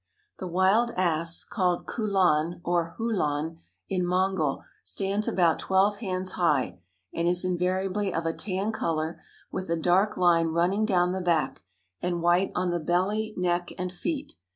The wild ass (called kulan or hulan in Mongol) stands about twelve hands high, and is invariably of a tan color, with a dark line running down the back, and white on the belly, neck and feet.